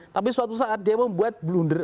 tapi suatu saat dia membuat blunder